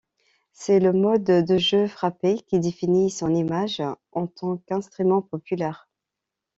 C’est le mode de jeu frappé qui définit son image en tant qu’instrument populaire.